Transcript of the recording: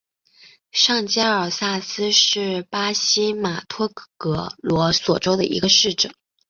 上加尔萨斯是巴西马托格罗索州的一个市镇。